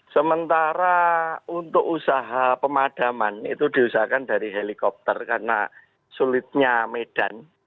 sementara untuk usaha pemadaman itu diusahakan dari helikopter karena sulitnya medan